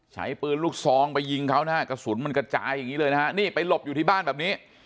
ใช้ปืนลูกซองไปยิงเขานะฮะกระสุนมันกระจายอย่างนี้เลยนะฮะนี่ไปหลบอยู่ที่บ้านแบบนี้